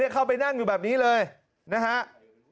เข้าไปนั่งอยู่แบบนี้เลยนะครับ